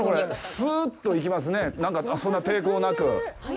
すうーっと行きますね、そんな抵抗なく。